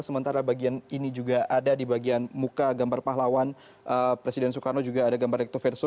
sementara bagian ini juga ada di bagian muka gambar pahlawan presiden soekarno juga ada gambar rektoverso